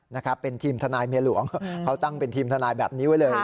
นะครับเป็นทีมทนายเมียหลวงเขาตั้งเป็นทีมทนายแบบนี้ไว้เลย